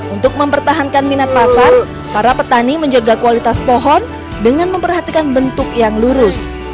untuk mempertahankan minat pasar para petani menjaga kualitas pohon dengan memperhatikan bentuk yang lurus